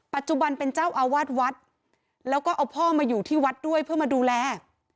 ปัจจุบันเป็นเจ้าอาวาสวัดแล้วก็เอาพ่อมาอยู่ที่วัดด้วยเพื่อมาดูแล